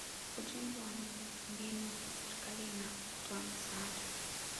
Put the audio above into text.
ujenzi wa miundombinu za serikali na kutoa misaada